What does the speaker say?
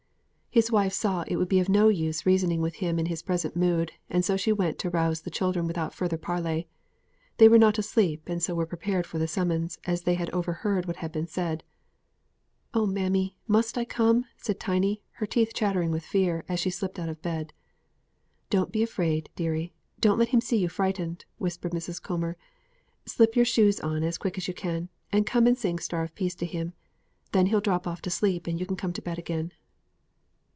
His wife saw it would be of no use reasoning with him in his present mood, and so went to rouse the children without further parley. They were not asleep, and so were prepared for the summons, as they had overheard what had been said. "Oh mammy, must I come?" said Tiny, her teeth chattering with fear, as she slipped out of bed. "Don't be afraid, deary don't let him see you're frightened," whispered Mrs. Coomber; "slip your clothes on as quick as you can, and come and sing 'Star of Peace' to him; then he'll drop off to sleep, and you can come to bed again."